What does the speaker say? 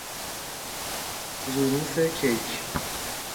ظروف کیک